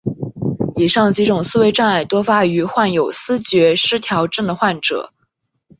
以上几种思维障碍多发于患有思觉失调症的患者。